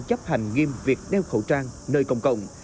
chấp hành nghiêm việc đeo khẩu trang nơi công cộng